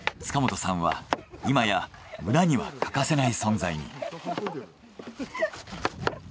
塚本さんは今や村には欠かせない存在に。